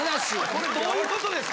これどういうことですか？